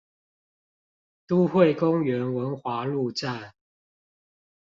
都會公園文華路站